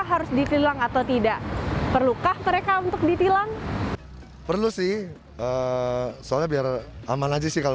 harus ditilang atau tidak perlukah mereka untuk ditilang perlu sih soalnya biar aman aja sih kalau